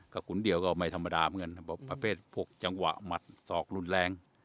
ก็ขุนเดี่ยวก็ไม่ธรรมดาเพราะว่าประเภทพวกจังหวะหมัดศอกรุนแรง